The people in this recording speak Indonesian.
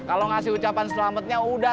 kalau ngasih ucapan selamatnya udah